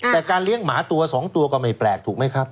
แต่การเลี้ยงหมาตัว๒ตัวก็ไม่แปลกถูกไหมครับ